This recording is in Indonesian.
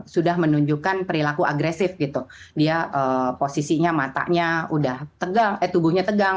sudah menunjukkan perilaku agresif gitu dia posisinya matanya udah tubuhnya tegang